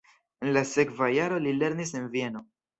En la sekva jaro li lernis en Vieno.